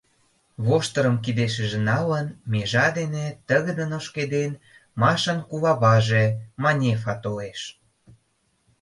Воштырым кидешыже налын, межа дене тыгыдын ошкеден, Машан куваваже — Манефа толеш.